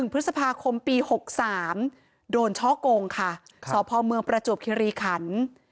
พฤษภาคมปี๖๓โดนช่อกงค่ะสพเมืองประจวบคิริขัน